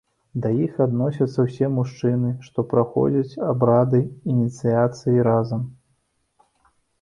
Да іх адносяцца ўсе мужчыны, што праходзяць абрады ініцыяцыі разам.